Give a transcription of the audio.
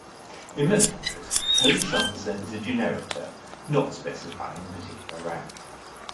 In most countries, "police officer" is a generic term not specifying a particular rank.